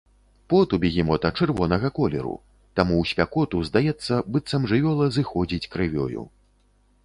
Пот у бегемота чырвонага колеру, таму ў спякоту здаецца, быццам жывёла зыходзіць крывёю.